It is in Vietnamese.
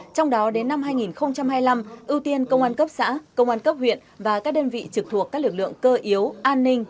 trong đó đến năm hai nghìn hai mươi năm ưu tiên công an cấp xã công an cấp huyện và các đơn vị trực thuộc các lực lượng cơ yếu an ninh